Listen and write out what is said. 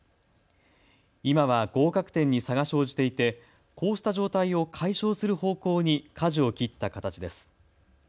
今は合格点に差が生じていてこうした状態を解消する方向にかじを切った形です。